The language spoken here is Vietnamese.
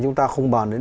chúng ta không bàn đến